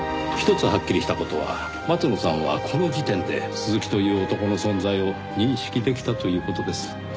ひとつはっきりした事は松野さんはこの時点で鈴木という男の存在を認識できたという事です。